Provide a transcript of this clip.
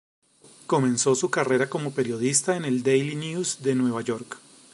Comenzó su carrera como periodista en el "Daily News" de Nueva York.